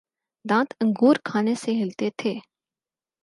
دانت انگور کھانے سے ہلتے تھے